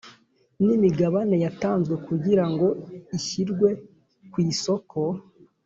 n imigabane yatanzwe kugira ngo ishyirwe ku isoko